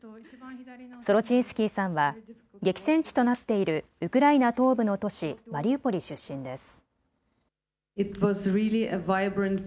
ソロチンスキーさんは激戦地となっているウクライナ東部の都市マリウポリ出身です。